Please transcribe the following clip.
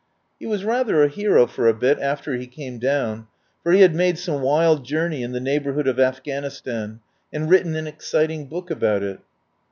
He was rather a hero for a bit after he came down, for he had made some wild journey in the neighbourhood of Afghanistan and written an exciting book about it.